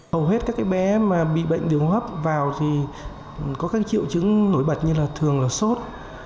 hầu hết các bé mà bị bệnh đường hấp vào thì có các triệu chứng nổi bật như là thường là sốt